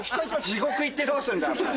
地獄行ってどうすんだお前。